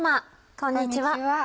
こんにちは。